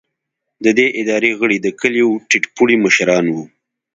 د دې ادارې غړي د کلیو ټیټ پوړي مشران وو.